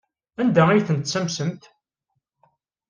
Anda ay tent-tessamsemt?